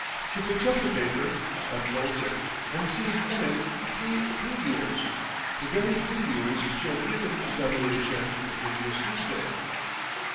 She picks up the paper, unfolds it, and sees in it three pilules the very pilules she had given Zamuhrishen the previous Tuesday.